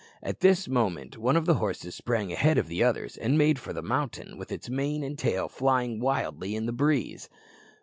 At this moment one of the horses sprang ahead of the others and made for the mountain, with its mane and tail flying wildly in the breeze.